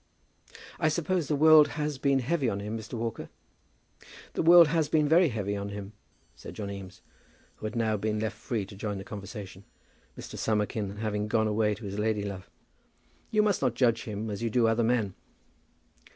"I suppose the world has been heavy on him, Mr. Walker?" "The world has been very heavy on him," said John Eames, who had now been left free to join the conversation, Mr. Summerkin having gone away to his lady love. "You must not judge him as you do other men."